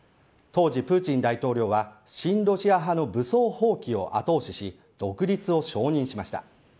当時、プーチン大統領は、親ロシア派の武装蜂起を後押しし、独立を承認しました。